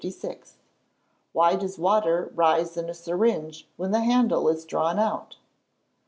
_Why does water rise in a syringe when the handle is drawn out?